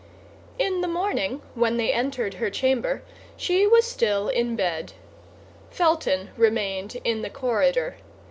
In the morning, when they entered her chamber she was still in bed. Felton remained in the corridor.